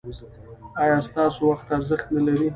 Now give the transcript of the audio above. ایا ستاسو وخت ارزښت نلري؟